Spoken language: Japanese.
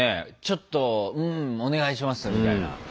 ちょっとうんお願いしますみたいな。